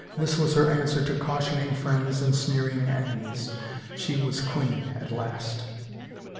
This was her answer to cautioning friends and sneering enemies! She was queen at last